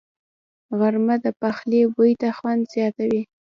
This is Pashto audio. غرمه د پخلي بوی ته خوند زیاتوي